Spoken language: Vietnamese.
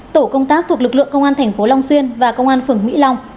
tổ công tác thuộc lực lượng công an thành phố long xuyên và công an phường mỹ long